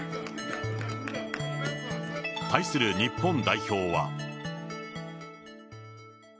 対する日本代表は。